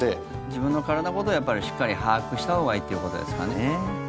自分の体のことをしっかり把握したほうがいいということですかね。